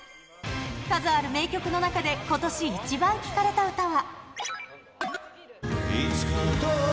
数ある名曲の中で今年イチバン聴かれた歌は。